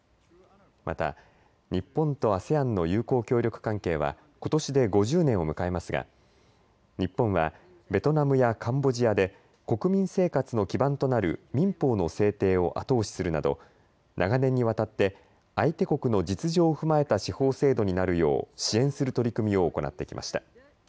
また日本とＡＳＥＡＮの友好協力関係はことしで５０年を迎えますが日本はベトナムやカンボジアで国民生活の基盤となる民法の制定を後押しするなど長年にわたって相手国の実情を踏まえた司法制度になるよう支援する取り組みを行ってきました。